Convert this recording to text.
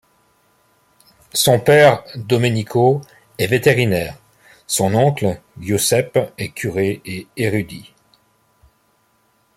Son père Domenico est vétérinaire, son oncle Giuseppe est curé et érudit.